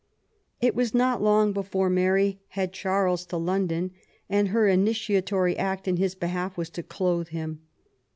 It was not long before Mary had Charles to London, and her initiatory act in his behalf was to clothe him.